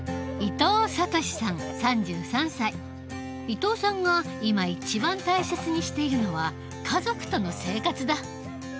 伊藤さんが今一番大切にしているのは家族との生活だ。